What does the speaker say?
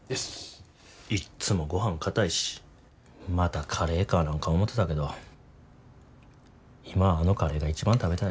いっつもごはんかたいしまたカレーかなんか思てたけど今あのカレーが一番食べたいわ。